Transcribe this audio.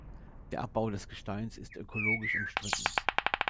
Der Abbau des Gesteins ist ökologisch umstritten.